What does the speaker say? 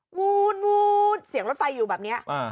วูดวูดเสียงรถไฟอยู่แบบเนี้ยอ่า